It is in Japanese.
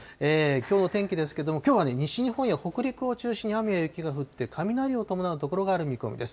きょうの天気ですけれども、きょうは西日本や北陸を中心に雨や雪が降って、雷を伴う所がある見込みです。